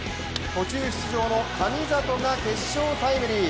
途中出場の神里が決勝タイムリー。